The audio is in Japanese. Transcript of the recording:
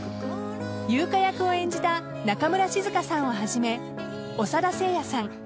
優香役を演じた中村静香さんをはじめオサダ・セイヤさん